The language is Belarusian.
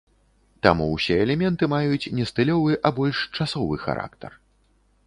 Таму ўсе элементы маюць не стылёвы, а больш часовы характар.